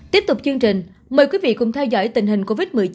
tiếp tục chương trình mời quý vị cùng theo dõi tình hình covid một mươi chín